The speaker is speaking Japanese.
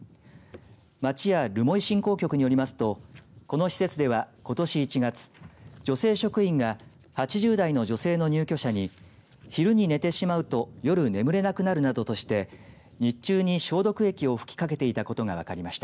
町や留萌振興局によりますとこの施設では、ことし１月女性職員が８０代の女性の入居者に昼に寝てしまうと夜、眠れなくなるなどとして日中に消毒液を吹きかけていたことが分かりました。